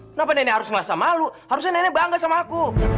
kenapa nenek harus merasa malu harusnya nenek bangga sama aku